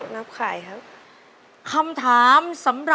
รู้ไหม